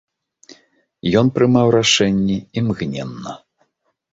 Ён прымаў рашэнні імгненна.